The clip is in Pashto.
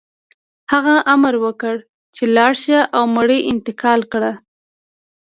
هغه امر وکړ چې لاړ شه او مړي انتقال کړه